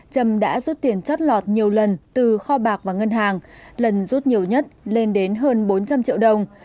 trầm đã rút tiền chất lọt nhiều lần từ kho bạc và ngân hàng lần rút nhiều nhất lên đến hơn bốn trăm linh triệu đồng